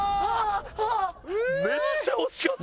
めっちゃ惜しかった！